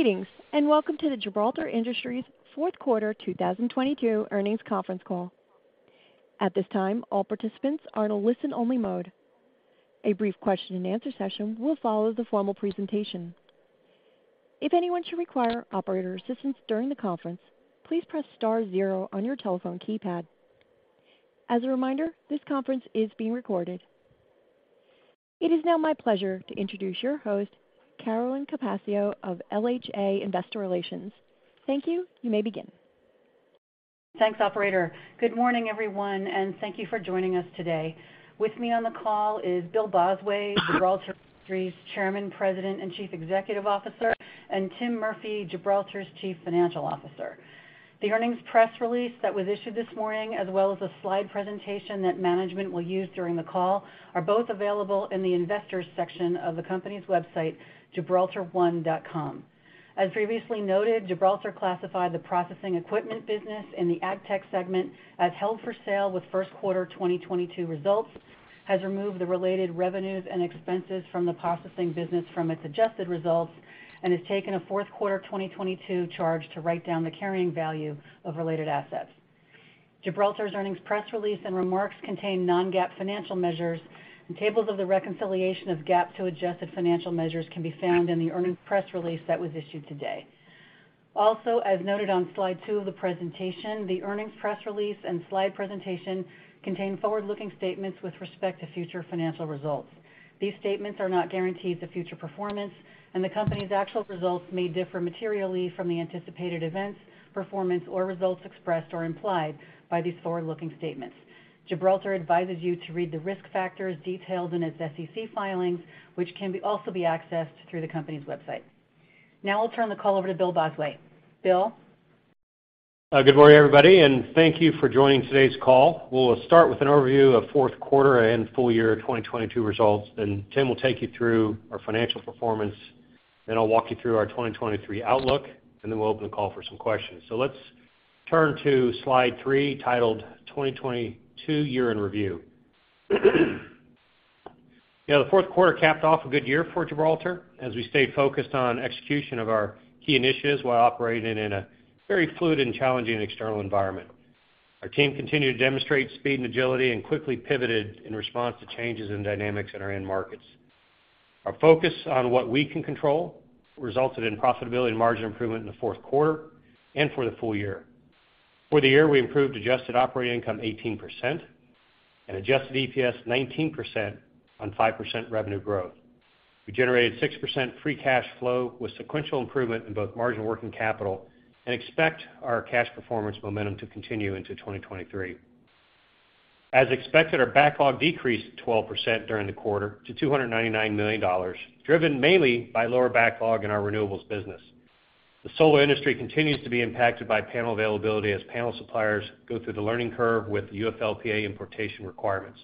Greetings, and welcome to the Gibraltar Industries fourth quarter 2022 earnings conference call. At this time, all participants are in a listen-only mode. A brief question-and-answer session will follow the formal presentation. If anyone should require operator assistance during the conference, please press star zero on your telephone keypad. As a reminder, this conference is being recorded. It is now my pleasure to introduce your host, Carolyn Capaccio of LHA Investor Relations. Thank you. You may begin. Thanks, operator. Good morning, everyone, and thank you for joining us today. With me on the call is Bill Bosway, Gibraltar Industries' Chairman, President, and Chief Executive Officer, and Tim Murphy, Gibraltar's Chief Financial Officer. The earnings press release that was issued this morning, as well as a slide presentation that management will use during the call, are both available in the Investors section of the company's website, gibraltar1.com. As previously noted, Gibraltar classified the processing equipment business in the Agtech segment as held for sale with first quarter 2022 results, has removed the related revenues and expenses from the processing business from its adjusted results, and has taken a fourth quarter 2022 charge to write down the carrying value of related assets. Gibraltar's earnings press release and remarks contain non-GAAP financial measures. Tables of the reconciliation of GAAP to adjusted financial measures can be found in the earnings press release that was issued today. Also, as noted on slide two of the presentation, the earnings press release and slide presentation contain forward-looking statements with respect to future financial results. These statements are not guarantees of future performance. The Company's actual results may differ materially from the anticipated events, performance, or results expressed or implied by these forward-looking statements. Gibraltar advises you to read the risk factors detailed in its SEC filings, which can be also be accessed through the company's website. Now I'll turn the call over to Bill Bosway. Bill? Good morning, everybody, and thank you for joining today's call. We'll start with an overview of fourth quarter and full year 2022 results, then Tim will take you through our financial performance. Then I'll walk you through our 2023 outlook, and then we'll open the call for some questions. Let's turn to slide three, titled 2022 Year in Review. You know, the fourth quarter capped off a good year for Gibraltar as we stayed focused on execution of our key initiatives while operating in a very fluid and challenging external environment. Our team continued to demonstrate speed and agility and quickly pivoted in response to changes in dynamics in our end markets. Our focus on what we can control resulted in profitability and margin improvement in the fourth quarter and for the full year. For the year, we improved adjusted operating income 18% and adjusted EPS 19% on 5% revenue growth. We generated 6% free cash flow with sequential improvement in both margin working capital and expect our cash performance momentum to continue into 2023. As expected, our backlog decreased 12% during the quarter to $299 million, driven mainly by lower backlog in our renewables business. The solar industry continues to be impacted by panel availability as panel suppliers go through the learning curve with the UFLPA importation requirements.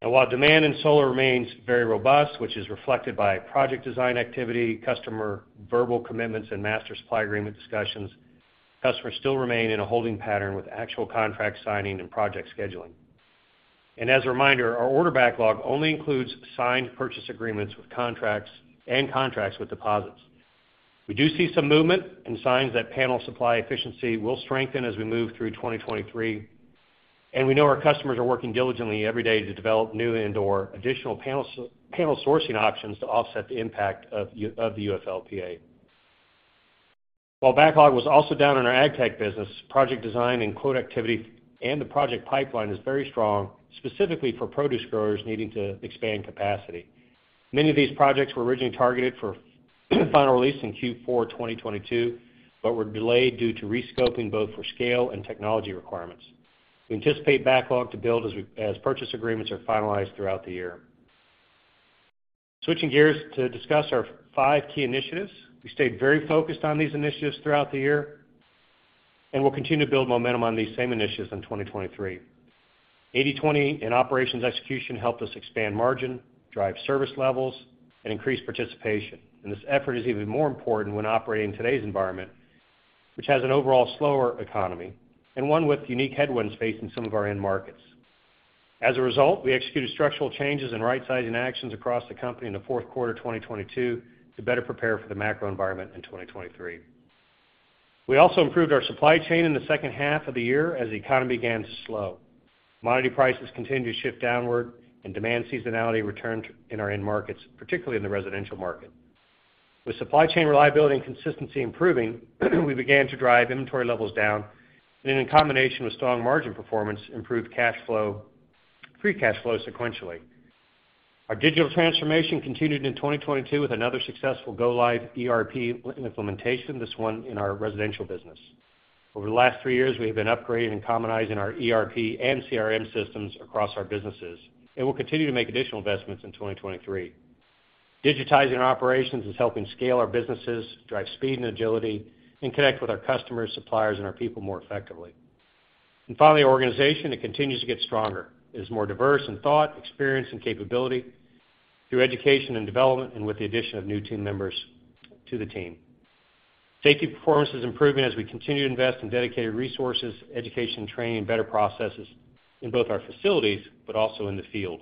While demand in solar remains very robust, which is reflected by project design activity, customer verbal commitments, and master supply agreement discussions, customers still remain in a holding pattern with actual contract signing and project scheduling. As a reminder, our order backlog only includes signed purchase agreements with contracts and contracts with deposits. We do see some movement and signs that panel supply efficiency will strengthen as we move through 2023. We know our customers are working diligently every day to develop new and/or additional panel sourcing options to offset the impact of the UFLPA. While backlog was also down in our Agtech business, project design and quote activity and the project pipeline is very strong, specifically for produce growers needing to expand capacity. Many of these projects were originally targeted for final release in Q4 2022, were delayed due to rescoping, both for scale and technology requirements. We anticipate backlog to build as purchase agreements are finalized throughout the year. Switching gears to discuss our five key initiatives. We stayed very focused on these initiatives throughout the year, will continue to build momentum on these same initiatives in 2023. 80/20 in operations execution helped us expand margin, drive service levels, and increase participation. This effort is even more important when operating in today's environment, which has an overall slower economy and one with unique headwinds facing some of our end markets. As a result, we executed structural changes and rightsizing actions across the company in the fourth quarter 2022 to better prepare for the macro environment in 2023. We also improved our supply chain in the second half of the year as the economy began to slow. Commodity prices continued to shift downward and demand seasonality returned in our end markets, particularly in the residential market. With supply chain reliability and consistency improving, we began to drive inventory levels down and in combination with strong margin performance, improved free cash flow sequentially. Our digital transformation continued in 2022 with another successful go-live ERP implementation, this one in our residential business. Over the last three years, we have been upgrading and commonizing our ERP and CRM systems across our businesses, we'll continue to make additional investments in 2023. Digitizing our operations is helping scale our businesses, drive speed and agility, and connect with our customers, suppliers, and our people more effectively. Finally, our organization, it continues to get stronger. It is more diverse in thought, experience, and capability through education and development and with the addition of new team members to the team. Safety performance is improving as we continue to invest in dedicated resources, education, training, and better processes in both our facilities but also in the field.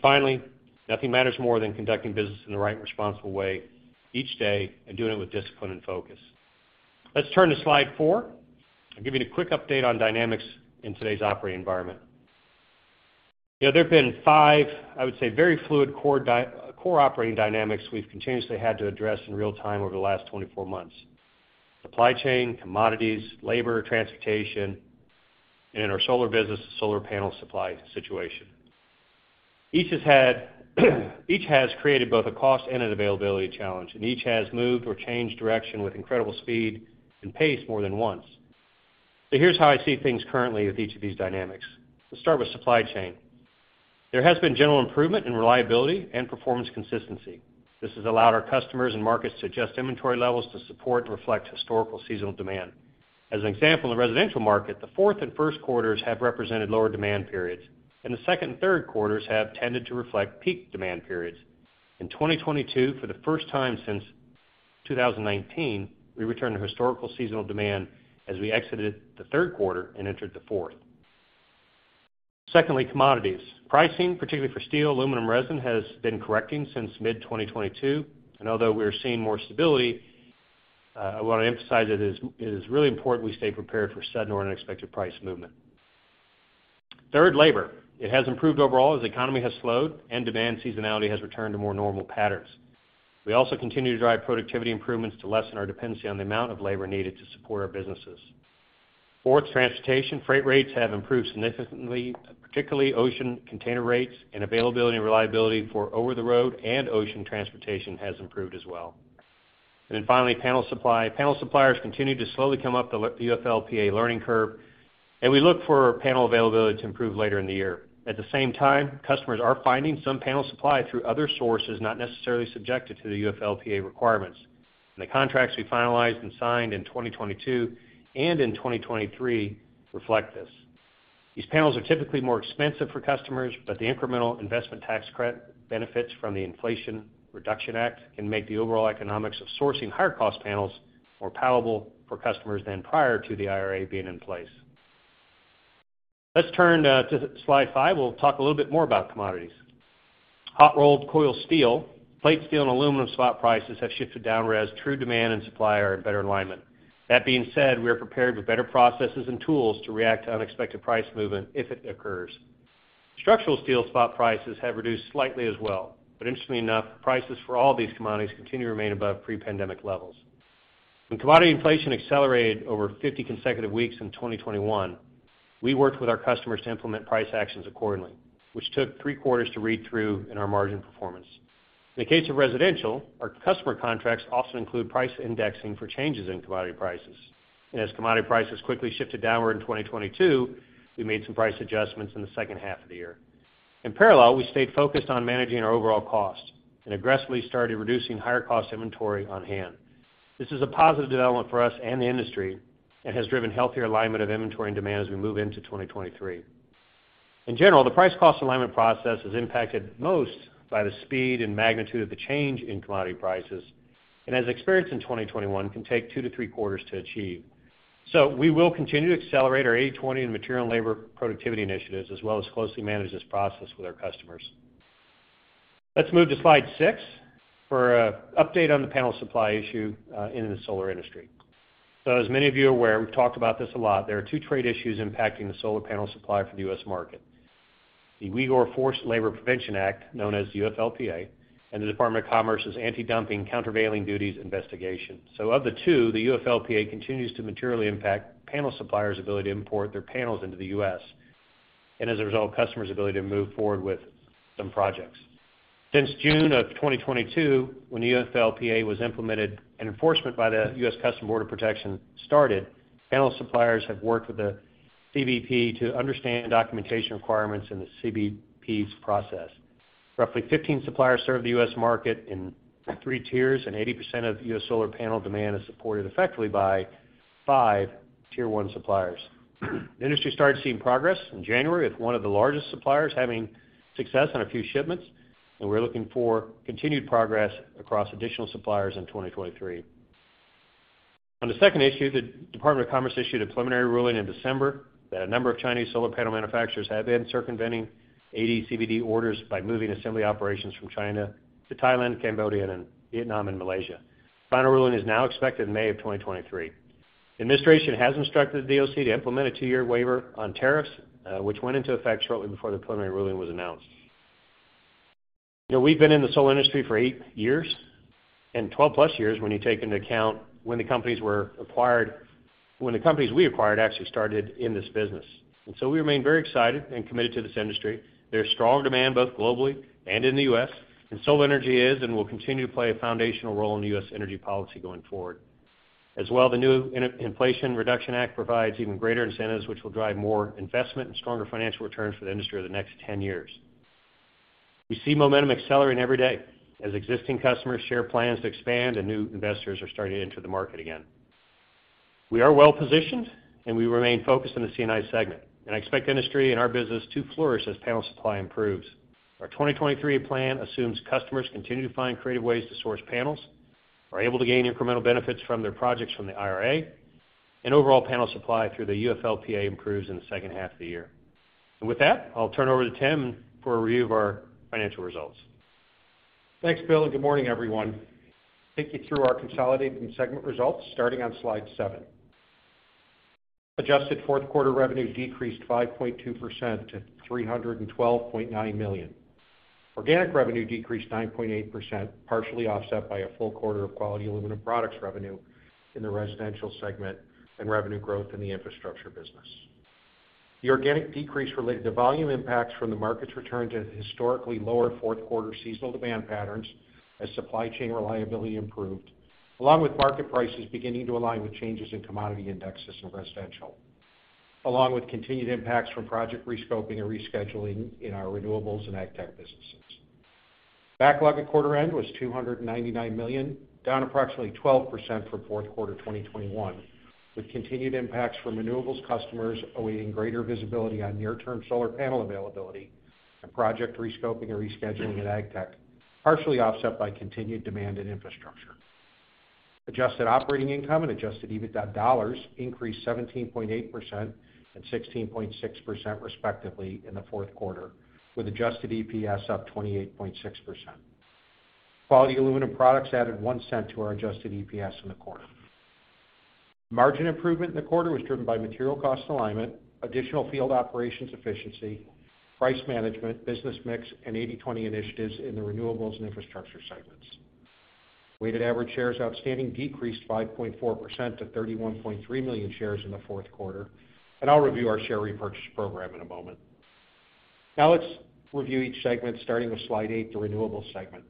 Finally, nothing matters more than conducting business in the right and responsible way each day and doing it with discipline and focus. Let's turn to slide four. I'll give you a quick update on dynamics in today's operating environment. You know, there have been five, I would say, very fluid core operating dynamics we've continuously had to address in real time over the last 24 months. Supply chain, commodities, labor, transportation, and in our solar business, the solar panel supply situation. Each has created both a cost and an availability challenge, and each has moved or changed direction with incredible speed and pace more than once. Here's how I see things currently with each of these dynamics. Let's start with supply chain. There has been general improvement in reliability and performance consistency. This has allowed our customers and markets to adjust inventory levels to support and reflect historical seasonal demand. As an example, in the residential market, the fourth and first quarters have represented lower demand periods, and the second and third quarters have tended to reflect peak demand periods. In 2022, for the first time since 2019, we returned to historical seasonal demand as we exited the third quarter and entered the fourth. Secondly, commodities. Pricing, particularly for steel, aluminum, resin, has been correcting since mid-2022. Although we are seeing more stability, I wanna emphasize it is really important we stay prepared for sudden or unexpected price movement. Third, labor. It has improved overall as the economy has slowed and demand seasonality has returned to more normal patterns. We also continue to drive productivity improvements to lessen our dependency on the amount of labor needed to support our businesses. Fourth, transportation. Freight rates have improved significantly, particularly ocean container rates and availability and reliability for over-the-road and ocean transportation has improved as well. Finally, panel supply. Panel suppliers continue to slowly come up the UFLPA learning curve, and we look for panel availability to improve later in the year. At the same time, customers are finding some panel supply through other sources not necessarily subjected to the UFLPA requirements. The contracts we finalized and signed in 2022 and in 2023 reflect this. These panels are typically more expensive for customers, but the incremental investment tax credit benefits from the Inflation Reduction Act can make the overall economics of sourcing higher-cost panels more palatable for customers than prior to the IRA being in place. Let's turn to slide five. We'll talk a little bit more about commodities. Hot-rolled coil steel, plate steel, and aluminum swap prices have shifted downwards as true demand and supply are in better alignment. That being said, we are prepared with better processes and tools to react to unexpected price movement if it occurs. Structural steel spot prices have reduced slightly as well. Interestingly enough, prices for all these commodities continue to remain above pre-pandemic levels. When commodity inflation accelerated over 50 consecutive weeks in 2021, we worked with our customers to implement price actions accordingly, which took three quarters to read through in our margin performance. In the case of Residential, our customer contracts also include price indexing for changes in commodity prices. As commodity prices quickly shifted downward in 2022, we made some price adjustments in the second half of the year. We stayed focused on managing our overall cost and aggressively started reducing higher-cost inventory on hand. This is a positive development for us and the industry and has driven healthier alignment of inventory and demand as we move into 2023. The price-cost alignment process is impacted most by the speed and magnitude of the change in commodity prices, and as experienced in 2021, can take 2-3 quarters to achieve. We will continue to accelerate our 80/20 and material and labor productivity initiatives, as well as closely manage this process with our customers. Let's move to slide six for a update on the panel supply issue in the solar industry. As many of you are aware, we've talked about this a lot. There are two trade issues impacting the solar panel supply for the U.S. market: the Uyghur Forced Labor Prevention Act, known as the UFLPA, and the Department of Commerce's Anti-dumping Countervailing Duties investigation. Of the two, the UFLPA continues to materially impact panel suppliers' ability to import their panels into the U.S., and as a result, customers' ability to move forward with some projects. Since June of 2022, when the UFLPA was implemented and enforcement by the U.S. Customs Border Protection started, panel suppliers have worked with the CBP to understand documentation requirements in the CBP's process. Roughly 15 suppliers serve the U.S. market in three tiers, and 80% of U.S. solar panel demand is supported effectively by five Tier One suppliers. The industry started seeing progress in January with one of the largest suppliers having success on a few shipments. We're looking for continued progress across additional suppliers in 2023. On the second issue, the Department of Commerce issued a preliminary ruling in December that a number of Chinese solar panel manufacturers have been circumventing AD/CVD orders by moving assembly operations from China to Thailand, Cambodia, and then Vietnam and Malaysia. Final ruling is now expected in May of 2023. The administration has instructed the DOC to implement a two-year waiver on tariffs, which went into effect shortly before the preliminary ruling was announced. You know, we've been in the solar industry for eight years, and 12+ years when you take into account when the companies we acquired actually started in this business. We remain very excited and committed to this industry. There's strong demand both globally and in the U.S., and solar energy is and will continue to play a foundational role in U.S. energy policy going forward. The new Inflation Reduction Act provides even greater incentives, which will drive more investment and stronger financial returns for the industry over the next 10 years. We see momentum accelerating every day as existing customers share plans to expand and new investors are starting to enter the market again. We are well-positioned, and we remain focused on the C&I segment, and I expect industry and our business to flourish as panel supply improves. Our 2023 plan assumes customers continue to find creative ways to source panels, are able to gain incremental benefits from their projects from the IRA, and overall panel supply through the UFLPA improves in the second half of the year. With that, I'll turn over to Tim for a review of our financial results. Thanks, Bill. Good morning, everyone. Take you through our consolidated and segment results starting on slide seven. Adjusted fourth quarter revenue decreased 5.2% to $312.9 million. Organic revenue decreased 9.8%, partially offset by a full quarter of Quality Aluminum Products revenue in the Residential segment and revenue growth in the infrastructure business. The organic decrease related to volume impacts from the market's return to historically lower fourth quarter seasonal demand patterns as supply chain reliability improved, along with market prices beginning to align with changes in commodity indexes in Residential, along with continued impacts from project rescoping and rescheduling in our renewables and Agtech businesses. Backlog at quarter end was $299 million, down approximately 12% from fourth quarter 2021, with continued impacts from renewables customers awaiting greater visibility on near-term solar panel availability and project rescoping and rescheduling at Agtech, partially offset by continued demand in infrastructure. Adjusted operating income and adjusted EBITDA dollars increased 17.8% and 16.6% respectively in the fourth quarter, with adjusted EPS up 28.6%. Quality Aluminum Products added $0.01 to our adjusted EPS in the quarter. Margin improvement in the quarter was driven by material cost alignment, additional field operations efficiency, price management, business mix, and 80/20 initiatives in the renewables and infrastructure segments. Weighted average shares outstanding decreased 5.4% to 31.3 million shares in the fourth quarter. I'll review our share repurchase program in a moment. Let's review each segment starting with slide eight, the renewables segment.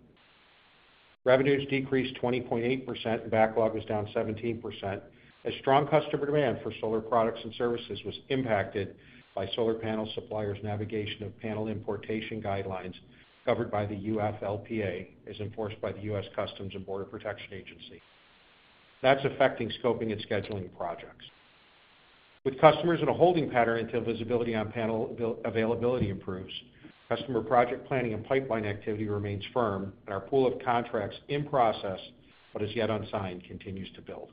Revenues decreased 20.8% and backlog was down 17% as strong customer demand for solar products and services was impacted by solar panel suppliers' navigation of panel importation guidelines covered by the UFLPA, as enforced by the U.S. Customs and Border Protection agency. That's affecting scoping and scheduling projects. With customers in a holding pattern until visibility on panel availability improves, customer project planning and pipeline activity remains firm and our pool of contracts in process but as yet unsigned continues to build.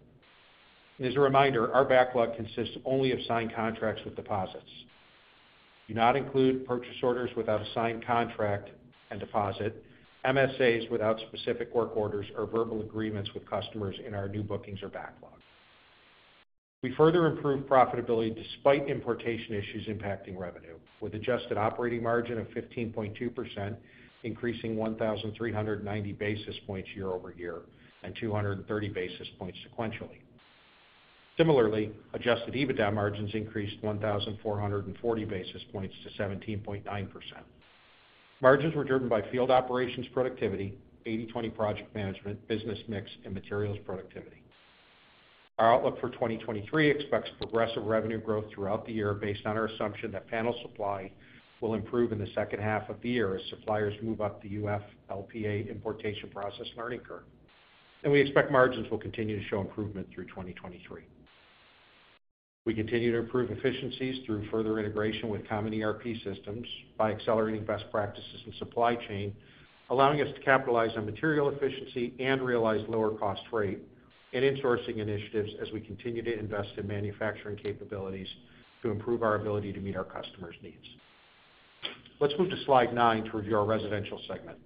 As a reminder, our backlog consists only of signed contracts with deposits. We do not include purchase orders without a signed contract and deposit, MSAs without specific work orders or verbal agreements with customers in our new bookings or backlog. We further improved profitability despite importation issues impacting revenue with adjusted operating margin of 15.2%, increasing 1,390 basis points year-over-year and 230 basis points sequentially. Similarly, adjusted EBITDA margins increased 1,440 basis points to 17.9%. Margins were driven by field operations productivity, 80/20 project management, business mix, and materials productivity. Our outlook for 2023 expects progressive revenue growth throughout the year based on our assumption that panel supply will improve in the second half of the year as suppliers move up the UFLPA importation process learning curve. We expect margins will continue to show improvement through 2023. We continue to improve efficiencies through further integration with common ERP systems by accelerating best practices in supply chain, allowing us to capitalize on material efficiency and realize lower cost rate and insourcing initiatives as we continue to invest in manufacturing capabilities to improve our ability to meet our customers' needs. Let's move to slide nine to review our Residential segment.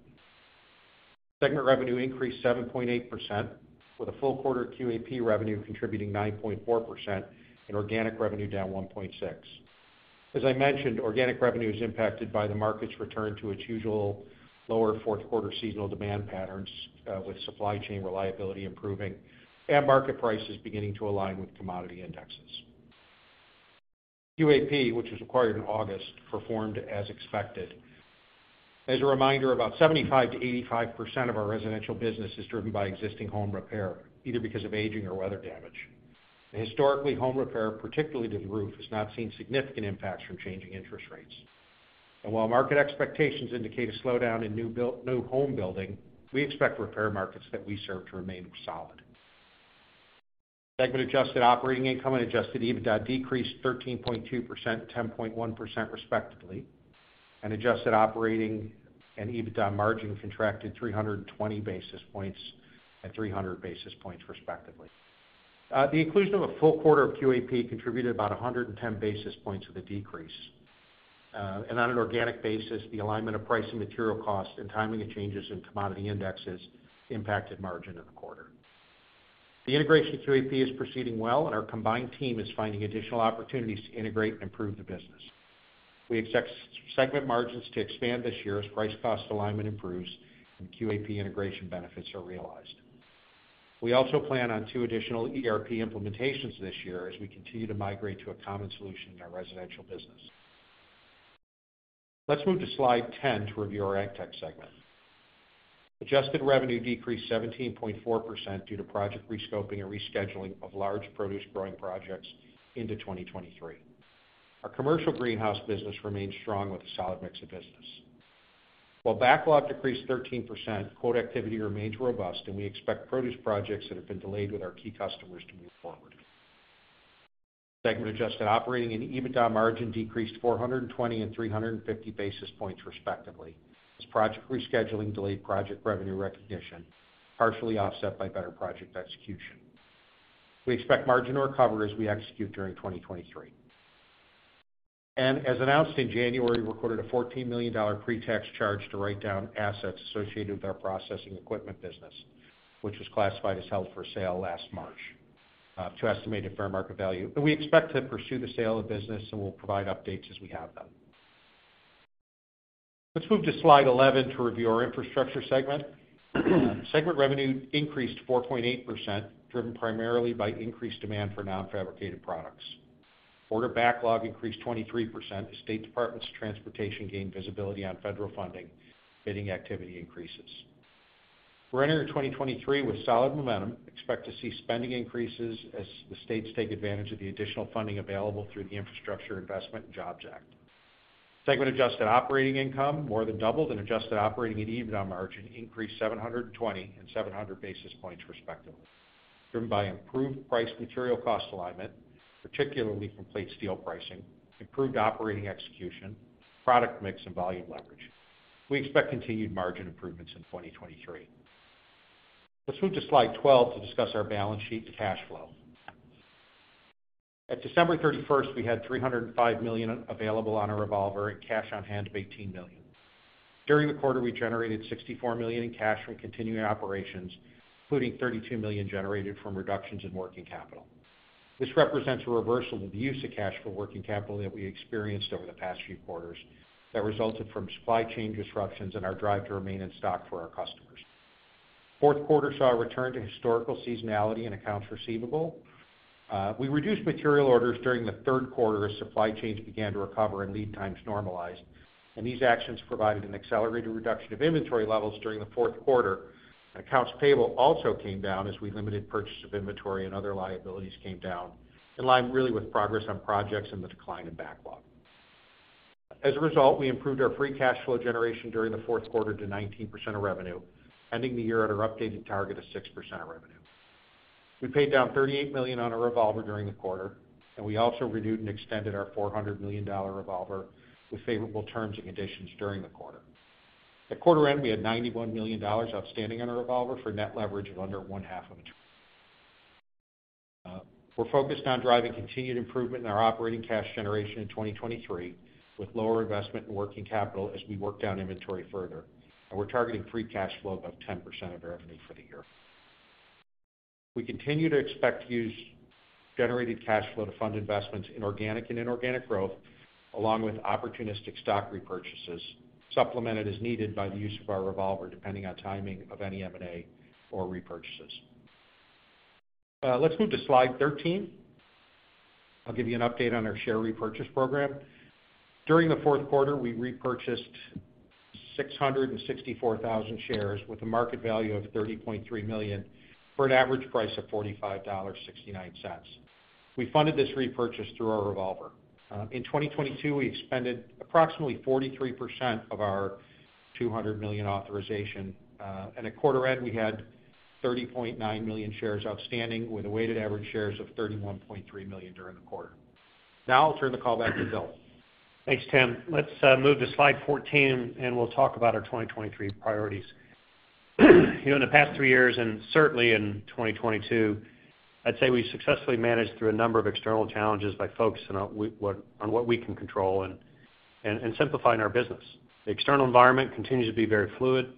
Segment revenue increased 7.8% with a full quarter QAP revenue contributing 9.4% and organic revenue down 1.6%. As I mentioned, organic revenue is impacted by the market's return to its usual lower fourth quarter seasonal demand patterns, with supply chain reliability improving and market prices beginning to align with commodity indexes. QAP, which was acquired in August, performed as expected. As a reminder, about 75%-85% of our Residential business is driven by existing home repair, either because of aging or weather damage. Historically, home repair, particularly to the roof, has not seen significant impacts from changing interest rates. While market expectations indicate a slowdown in new home building, we expect repair markets that we serve to remain solid. Segment adjusted operating income and adjusted EBITDA decreased 13.2%, 10.1% respectively, and adjusted operating and EBITDA margin contracted 320 basis points and 300 basis points respectively. The inclusion of a full quarter of QAP contributed about 110 basis points of the decrease. On an organic basis, the alignment of price and material cost and timing of changes in commodity indexes impacted margin in the quarter. The integration of QAP is proceeding well, and our combined team is finding additional opportunities to integrate and improve the business. We expect segment margins to expand this year as price cost alignment improves and QAP integration benefits are realized. We also plan on two additional ERP implementations this year as we continue to migrate to a common solution in our Residential business. Let's move to slide 10 to review our Agtech segment. Adjusted revenue decreased 17.4% due to project rescoping and rescheduling of large produce growing projects into 2023. Our commercial greenhouse business remains strong with a solid mix of business. While backlog decreased 13%, quote activity remains robust, and we expect produce projects that have been delayed with our key customers to move forward. Segment adjusted operating and EBITDA margin decreased 420 and 350 basis points respectively as project rescheduling delayed project revenue recognition, partially offset by better project execution. We expect margin to recover as we execute during 2023. As announced in January, we recorded a $14 million pre-tax charge to write down assets associated with our processing equipment business, which was classified as held for sale last March, to estimated fair market value. We expect to pursue the sale of business, and we'll provide updates as we have them. Let's move to slide 11 to review our Infrastructure segment. Segment revenue increased 4.8%, driven primarily by increased demand for non-fabricated products. Order backlog increased 23% as state departments of transportation gained visibility on federal funding, bidding activity increases. We're entering 2023 with solid momentum, expect to see spending increases as the states take advantage of the additional funding available through the Infrastructure Investment and Jobs Act. Segment adjusted operating income more than doubled, and adjusted operating and EBITDA margin increased 720 and 700 basis points respectively, driven by improved price material cost alignment, particularly from plate steel pricing, improved operating execution, product mix and volume leverage. We expect continued margin improvements in 2023. Let's move to slide 12 to discuss our balance sheet and cash flow. At December 31st, we had $305 million available on our revolver and cash on hand of $18 million. During the quarter, we generated $64 million in cash from continuing operations, including $32 million generated from reductions in working capital. This represents a reversal of the use of cash for working capital that we experienced over the past few quarters that resulted from supply chain disruptions and our drive to remain in stock for our customers. Fourth quarter saw a return to historical seasonality and accounts receivable. We reduced material orders during the third quarter as supply chains began to recover and lead times normalized, these actions provided an accelerated reduction of inventory levels during the fourth quarter, accounts payable also came down as we limited purchase of inventory and other liabilities came down in line really with progress on projects and the decline in backlog. As a result, we improved our free cash flow generation during the fourth quarter to 19% of revenue, ending the year at our updated target of 6% of revenue. We paid down $38 million on our revolver during the quarter. We also renewed and extended our $400 million revolver with favorable terms and conditions during the quarter. At quarter end, we had $91 million outstanding on our revolver for net leverage of under one-half of it. We're focused on driving continued improvement in our operating cash generation in 2023 with lower investment in working capital as we work down inventory further. We're targeting free cash flow of 10% of revenue for the year. We continue to expect to use generated cash flow to fund investments in organic and inorganic growth, along with opportunistic stock repurchases, supplemented as needed by the use of our revolver, depending on timing of any M&A or repurchases. Let's move to slide 13. I'll give you an update on our share repurchase program. During the fourth quarter, we repurchased 664,000 shares with a market value of $30.3 million for an average price of $45.69. We funded this repurchase through our revolver. In 2022, we expended approximately 43% of our $200 million authorization, at quarter end, we had 30.9 million shares outstanding with a weighted average shares of 31.3 million during the quarter. I'll turn the call back to Bill. Thanks, Tim. Let's move to slide 14, and we'll talk about our 2023 priorities. You know, in the past three years, and certainly in 2022, I'd say we successfully managed through a number of external challenges by focusing on what we can control and simplifying our business. The external environment continues to be very fluid,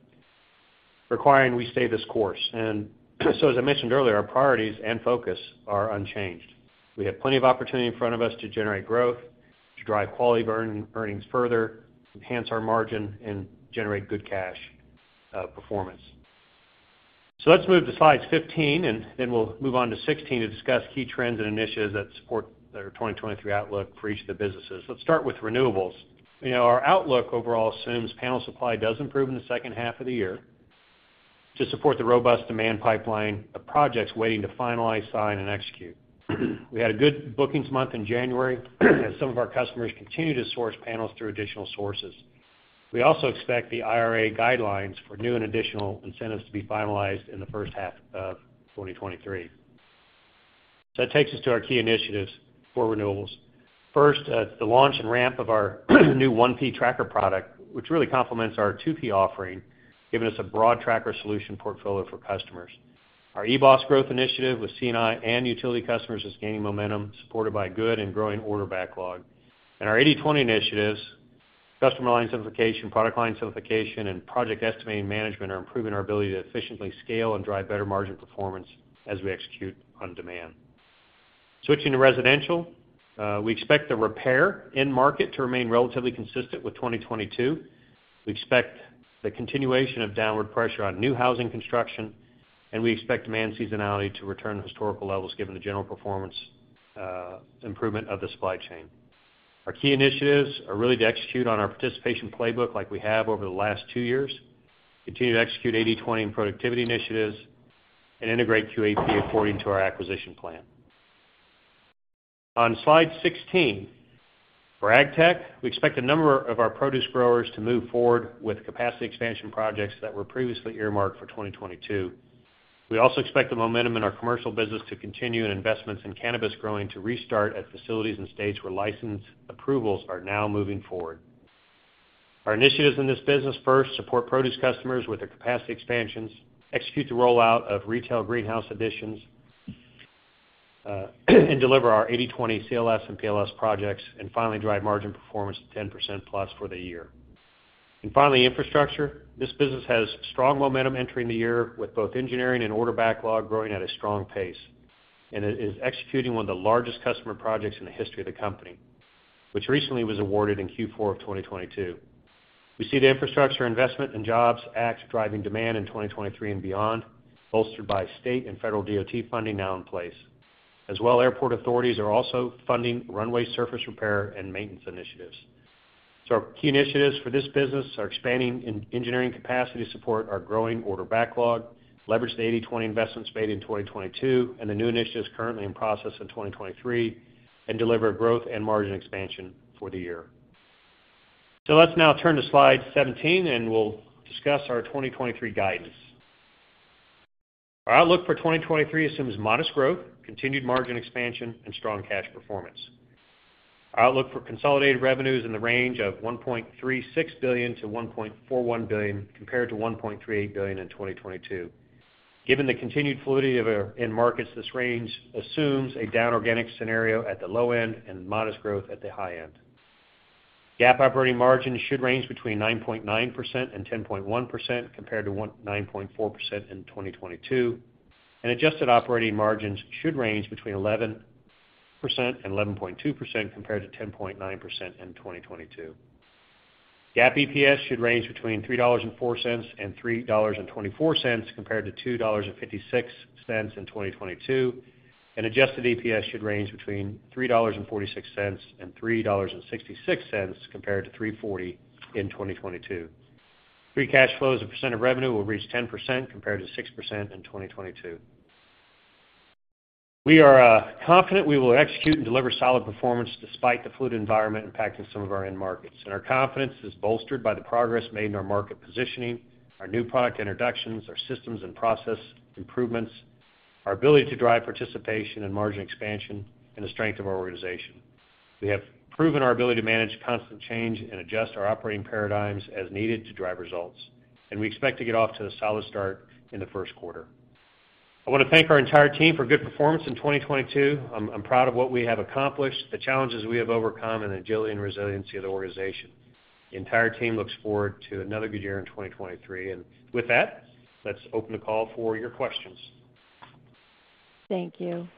requiring we stay this course. As I mentioned earlier, our priorities and focus are unchanged. We have plenty of opportunity in front of us to generate growth, to drive quality of earnings further, enhance our margin, and generate good cash performance. Let's move to slides 15, and then we'll move on to 16 to discuss key trends and initiatives that support our 2023 outlook for each of the businesses. Let's start with renewables. You know, our outlook overall assumes panel supply does improve in the second half of the year to support the robust demand pipeline of projects waiting to finalize, sign, and execute. We had a good bookings month in January as some of our customers continue to source panels through additional sources. We also expect the IRA guidelines for new and additional incentives to be finalized in the first half of 2023. That takes us to our key initiatives for renewables. First, the launch and ramp of our new 1P tracker product, which really complements our 2P offering, giving us a broad tracker solution portfolio for customers. Our eBOS growth initiative with C&I and utility customers is gaining momentum, supported by good and growing order backlog. Our 80/20 initiatives, customer line simplification, product line simplification, and project estimating management are improving our ability to efficiently scale and drive better margin performance as we execute on demand. Switching to Residential, we expect the repair end market to remain relatively consistent with 2022. We expect the continuation of downward pressure on new housing construction, and we expect demand seasonality to return to historical levels given the general performance improvement of the supply chain. Our key initiatives are really to execute on our participation playbook like we have over the last two years, continue to execute 80/20 and productivity initiatives, and integrate QAP according to our acquisition plan. On slide 16, for Agtech, we expect a number of our produce growers to move forward with capacity expansion projects that were previously earmarked for 2022. We also expect the momentum in our commercial business to continue, and investments in cannabis growing to restart at facilities and states where license approvals are now moving forward. Our initiatives in this business first support produce customers with their capacity expansions, execute the rollout of retail greenhouse additions, and deliver our 80/20 CLS and PLS projects, and finally drive margin performance of 10%+ for the year. Finally, infrastructure. This business has strong momentum entering the year with both engineering and order backlog growing at a strong pace. It is executing one of the largest customer projects in the history of the company, which recently was awarded in Q4 of 2022. We see the Infrastructure Investment and Jobs Act driving demand in 2023 and beyond, bolstered by state and federal DOT funding now in place. As well, airport authorities are also funding runway surface repair and maintenance initiatives. Our key initiatives for this business are expanding engineering capacity to support our growing order backlog, leverage the 80/20 investments made in 2022, and the new initiatives currently in process in 2023, and deliver growth and margin expansion for the year. Let's now turn to slide 17, and we'll discuss our 2023 guidance. Our outlook for 2023 assumes modest growth, continued margin expansion, and strong cash performance. Our outlook for consolidated revenues in the range of $1.36 billion-$1.41 billion, compared to $1.38 billion in 2022. Given the continued fluidity of our in markets, this range assumes a down organic scenario at the low end and modest growth at the high end. GAAP operating margin should range between 9.9% and 10.1% compared to 9.4% in 2022, and adjusted operating margins should range between 11% and 11.2% compared to 10.9% in 2022. GAAP EPS should range between $3.04 and $3.24 compared to $2.56 in 2022, and adjusted EPS should range between $3.46 and $3.66 compared to $3.40 in 2022. Free cash flows as a percent of revenue will reach 10% compared to 6% in 2022. We are confident we will execute and deliver solid performance despite the fluid environment impacting some of our end markets, and our confidence is bolstered by the progress made in our market positioning, our new product introductions, our systems and process improvements, our ability to drive participation and margin expansion, and the strength of our organization. We have proven our ability to manage constant change and adjust our operating paradigms as needed to drive results, and we expect to get off to a solid start in the first quarter. I wanna thank our entire team for good performance in 2022. I'm proud of what we have accomplished, the challenges we have overcome, and the agility and resiliency of the organization. The entire team looks forward to another good year in 2023. With that, let's open the call for your questions. Thank you.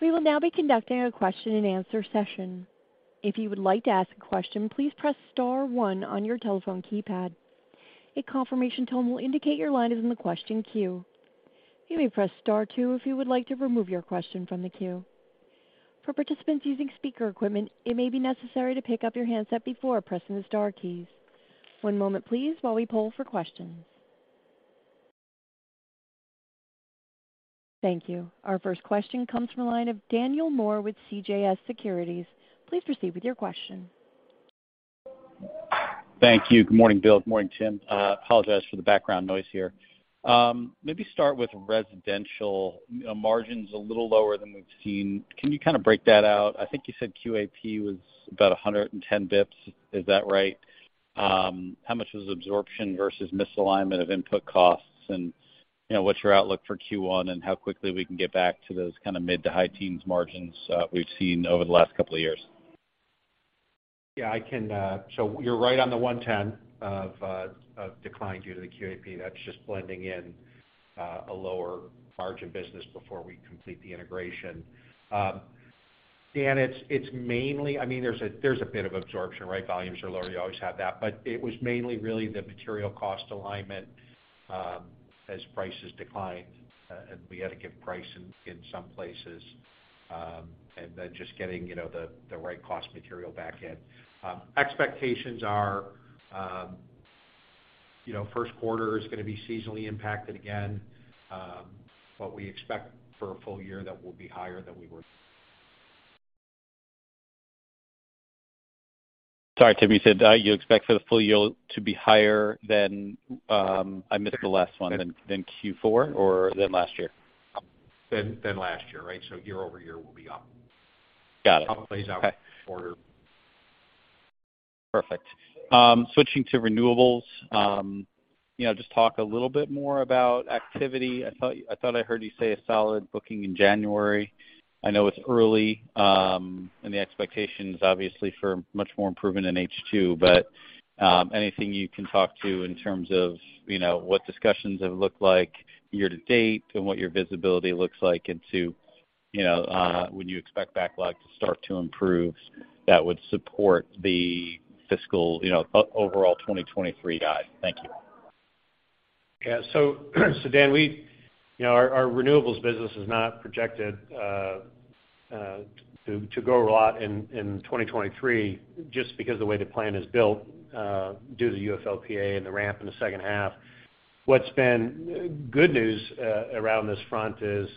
We will now be conducting a question and answer session. If you would like to ask a question, please press star one on your telephone keypad. A confirmation tone will indicate your line is in the question queue. You may press star two if you would like to remove your question from the queue. For participants using speaker equipment, it may be necessary to pick up your handset before pressing the star keys. One moment please while we poll for questions. Thank you. Our first question comes from the line of Daniel Moore with CJS Securities. Please proceed with your question. Thank you. Good morning, Bill, good morning, Tim. Apologize for the background noise here. Maybe start with Residential. You know, margin's a little lower than we've seen. Can you kind of break that out? I think you said QAP was about 110 basis points. Is that right? How much is absorption versus misalignment of input costs? You know, what's your outlook for Q1? How quickly we can get back to those kind of mid-to-high teens margins, we've seen over the last couple of years? You're right on the 110 of decline due to the QAP. That's just blending in a lower margin business before we complete the integration. Dan, it's mainly, I mean, there's a bit of absorption, right? Volumes are lower, you always have that. It was mainly really the material cost alignment as prices declined, and we had to give price in some places, and then just getting, you know, the right cost material back in. Expectations are, you know, first quarter is gonna be seasonally impacted again, we expect for a full year that we'll be higher than we were. Sorry, Tim, you said, you expect for the full year to be higher than, I missed the last one, than Q4 or than last year? Than last year, right. Year-over-year, we'll be up. Got it. Okay. How it plays out quarter- Perfect. Switching to renewables. You know, just talk a little bit more about activity. I thought I heard you say a solid booking in January. I know it's early, and the expectation is obviously for much more improvement in H2. Anything you can talk to in terms of, you know, what discussions have looked like year to date and what your visibility looks like into, you know, when you expect backlog to start to improve that would support the fiscal, you know, overall 2023 guide. Thank you. Yeah. Dan, you know, our renewables business is not projected to grow a lot in 2023 just because the way the plan is built due to the UFLPA and the ramp in the second half. What's been good news around this front is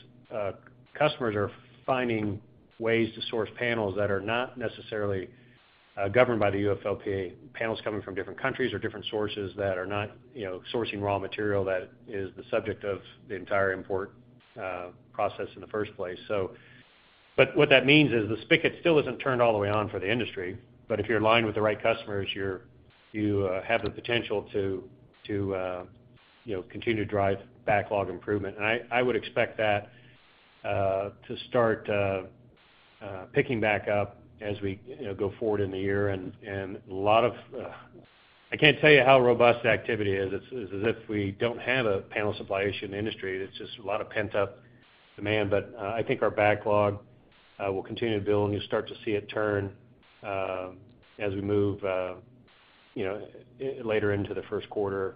customers are finding ways to source panels that are not necessarily governed by the UFLPA. Panels coming from different countries or different sources that are not, you know, sourcing raw material that is the subject of the entire import process in the first place. What that means is the spigot still isn't turned all the way on for the industry. If you're aligned with the right customers, you have the potential to, you know, continue to drive backlog improvement. I would expect that to start picking back up as we, you know, go forward in the year. I can't tell you how robust the activity is. It's as if we don't have a panel supply issue in the industry. It's just a lot of pent-up demand. I think our backlog will continue to build, and you'll start to see it turn as we move, you know, later into the first quarter,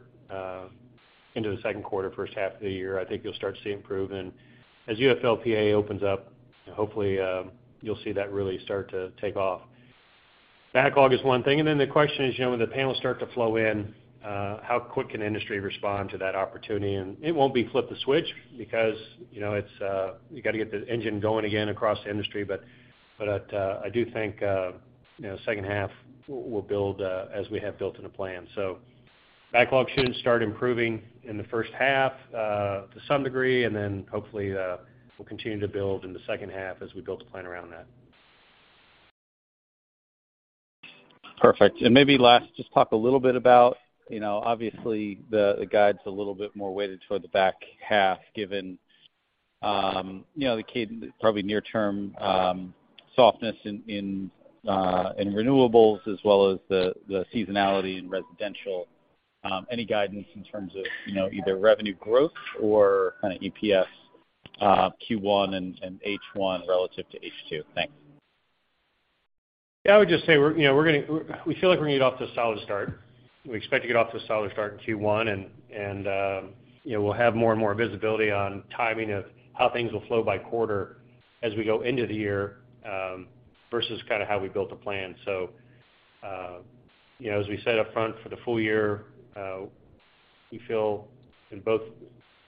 into the second quarter, first half of the year, I think you'll start to see improvement. As UFLPA opens up, hopefully, you'll see that really start to take off. Backlog is one thing. Then the question is, you know, when the panels start to flow in, how quick can industry respond to that opportunity? It won't be flip the switch because, you know, it's, you got to get the engine going again across the industry. I do think, you know, second half will build, as we have built in the plan. Backlog should start improving in the first half, to some degree, and then hopefully, we'll continue to build in the second half as we build the plan around that. Perfect. Maybe last, just talk a little bit about, you know, obviously, the guide's a little bit more weighted toward the back half, given, you know, probably near-term softness in renewables as well as the seasonality in Residential. Any guidance in terms of, you know, either revenue growth or kind of EPS, Q1 and H1 relative to H2? Thanks. I would just say we're, you know, we're gonna get off to a solid start. We expect to get off to a solid start in Q1, and, you know, we'll have more and more visibility on timing of how things will flow by quarter as we go into the year versus kind of how we built the plan. You know, as we said up front, for the full year, we feel in both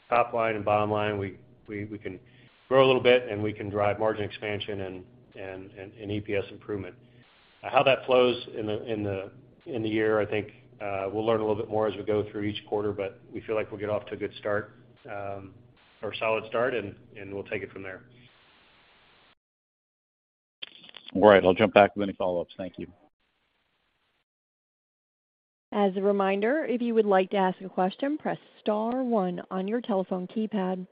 top line and bottom line, we can grow a little bit, and we can drive margin expansion and EPS improvement. How that flows in the year, I think, we'll learn a little bit more as we go through each quarter, but we feel like we'll get off to a good start, or a solid start, and we'll take it from there. All right. I'll jump back with any follow-ups. Thank you. As a reminder, if you would like to ask a question, press star one on your telephone keypad.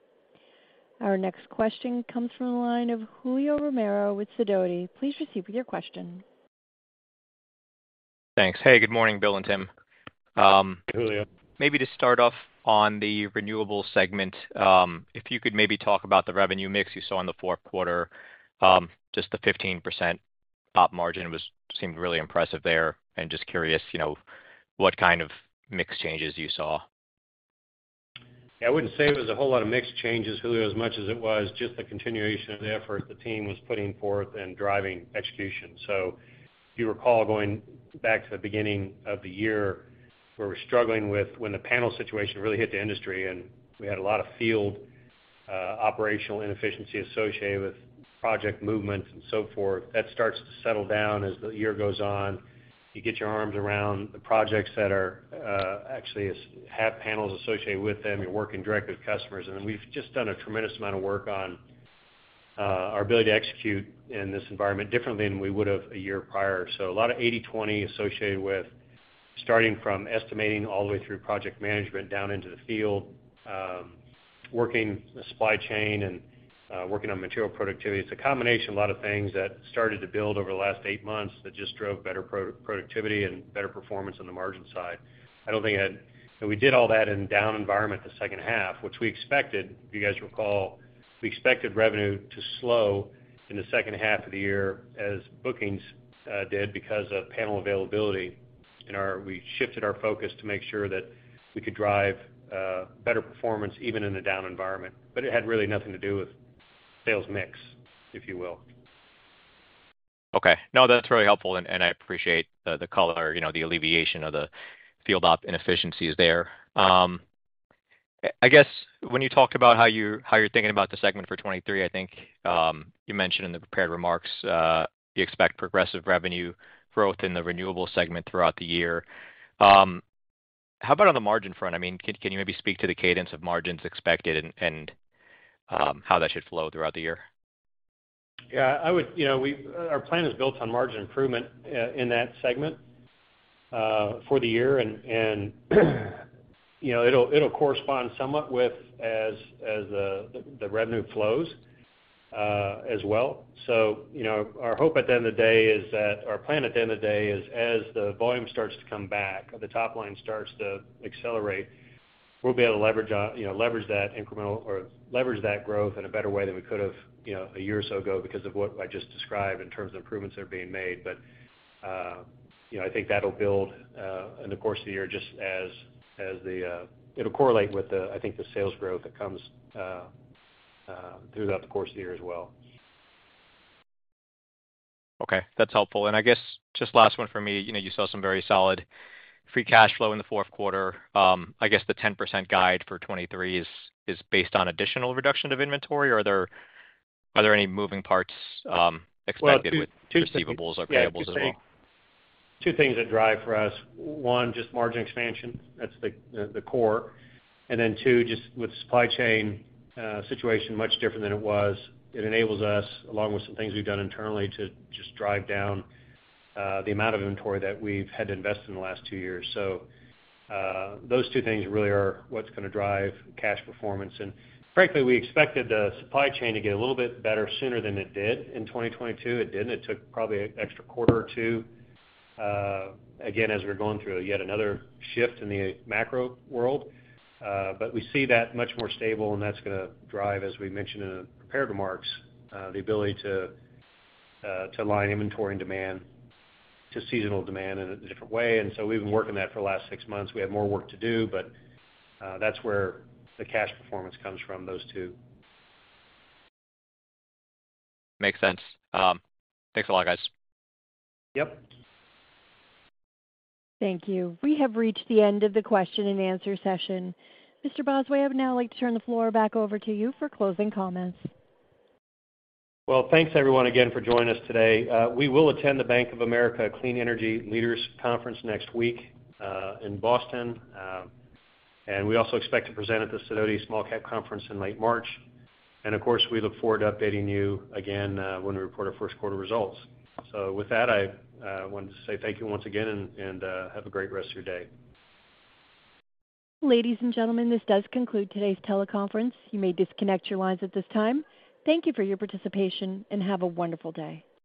Our next question comes from the line of Julio Romero with Sidoti. Please proceed with your question. Thanks. Hey, good morning, Bill and Tim. Julio. Maybe to start off on the renewables segment, if you could maybe talk about the revenue mix you saw in the fourth quarter? Just the 15% op margin was, seemed really impressive there. Just curious, you know, what kind of mix changes you saw? I wouldn't say it was a whole lot of mix changes, Julio, as much as it was just the continuation of the effort the team was putting forth in driving execution. If you recall, going back to the beginning of the year, where we're struggling with when the panel situation really hit the industry, and we had a lot of field operational inefficiency associated with project movement and so forth, that starts to settle down as the year goes on. You get your arms around the projects that actually have panels associated with them. You're working directly with customers. We've just done a tremendous amount of work on our ability to execute in this environment differently than we would have a year prior. A lot of 80/20 associated with starting from estimating all the way through project management down into the field, working the supply chain and working on material productivity. It's a combination of a lot of things that started to build over the last eight months that just drove better pro-productivity and better performance on the margin side. We did all that in a down environment the second half, which we expected. If you guys recall, we expected revenue to slow in the second half of the year as bookings did because of panel availability. We shifted our focus to make sure that we could drive better performance even in a down environment. It had really nothing to do with sales mix, if you will. Okay. No, that's really helpful, and I appreciate the color, you know, the alleviation of the field op inefficiencies there. I guess when you talk about how you're thinking about the segment for 2023, I think, you mentioned in the prepared remarks, you expect progressive revenue growth in the renewables segment throughout the year. How about on the margin front? I mean, can you maybe speak to the cadence of margins expected and how that should flow throughout the year? Yeah, I would. You know, our plan is built on margin improvement in that segment for the year and, you know, it'll correspond somewhat with as the revenue flows as well. You know, our hope at the end of the day is that, our plan at the end of the day is as the volume starts to come back or the top line starts to accelerate, we'll be able to leverage, you know, leverage that incremental or leverage that growth in a better way than we could have, you know, a year or so ago because of what I just described in terms of improvements that are being made. You know, I think that'll build in the course of the year just as the, it'll correlate with the, I think the sales growth that comes throughout the course of the year as well. Okay, that's helpful. I guess just last one for me, you know, you saw some very solid free cash flow in the fourth quarter. I guess the 10% guide for 2023 is based on additional reduction of inventory. Are there any moving parts expected with receivables or payables as well? Two things that drive for us. One, just margin expansion, that's the core. Two, just with supply chain situation much different than it was, it enables us, along with some things we've done internally, to just drive down the amount of inventory that we've had to invest in the last two years. Those two things really are what's gonna drive cash performance. Frankly, we expected the supply chain to get a little bit better sooner than it did in 2022. It didn't. It took probably an extra quarter or two again, as we're going through yet another shift in the macro world. We see that much more stable, and that's gonna drive, as we mentioned in the prepared remarks, the ability to align inventory and demand to seasonal demand in a different way. We've been working that for the last six months. We have more work to do, but that's where the cash performance comes from, those two. Makes sense. Thanks a lot, guys. Yep. Thank you. We have reached the end of the question and answer session. Mr. Bosway, I would now like to turn the floor back over to you for closing comments. Well, thanks everyone again for joining us today. We will attend the Bank of America Clean Energy Leaders Conference next week, in Boston. We also expect to present at the Sidoti Small-Cap Conference in late March. Of course, we look forward to updating you again, when we report our first quarter results. With that, I wanted to say thank you once again and have a great rest of your day. Ladies and gentlemen, this does conclude today's teleconference. You may disconnect your lines at this time. Thank you for your participation, and have a wonderful day.